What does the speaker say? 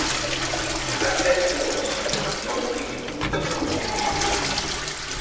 Até San Juan, não engula um fio.